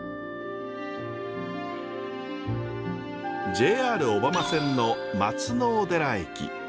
ＪＲ小浜線の松尾寺駅。